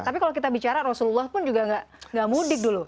tapi kalau kita bicara rasulullah pun juga nggak mudik dulu